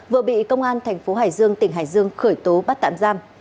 vừa bị công an thành phố hải dương tỉnh hải dương khởi tố bắt tạm giam